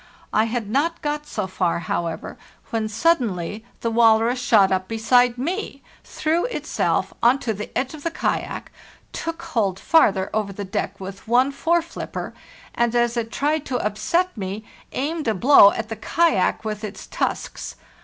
I had not got so far, however, when 520 FARTHEST NORTH suddenly the walrus shot up beside me, threw itself on to the edge of the kayak, took hold farther over the deck with one fore flipper, and, as it tried to upset me, aimed a blow at the kayak with its tusks.